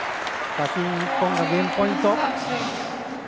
先に日本、ゲームポイント。